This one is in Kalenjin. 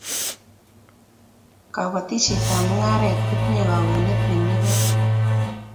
kabatishiet ab mungaret kotinye kagonet nemi barak